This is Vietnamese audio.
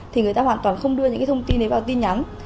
thì người ta hoàn toàn không đưa những thông tin này vào tin nhắn